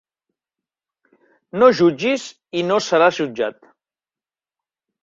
No jutgis, i no seràs jutjat.